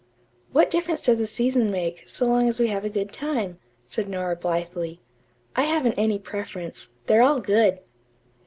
"What difference does the season make, so long as we have a good time?" said Nora blithely. "I haven't any preference. They're all good."